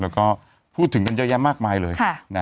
แล้วก็พูดถึงกันเยอะแยะมากมายเลย